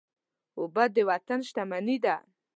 اوبه د وطن شتمني ده.